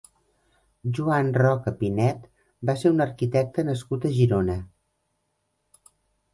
Joan Roca Pinet va ser un arquitecte nascut a Girona.